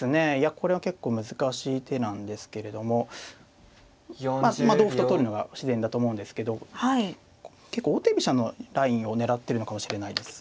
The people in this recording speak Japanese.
これは結構難しい手なんですけれどもまあ同歩と取るのが自然だと思うんですけど結構王手飛車のラインを狙ってるのかもしれないです。